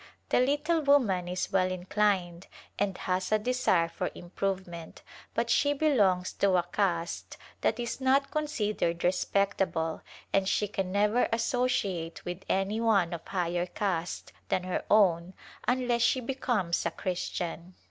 The little woman is well inclined and has a desire for improvement, but she belongs to a caste that is not considered respectable and she can never associate with any one of higher caste than her own unless she becomes a Christian.